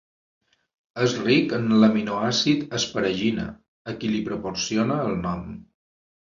És ric en l'aminoàcid asparagina, a qui li proporciona el nom.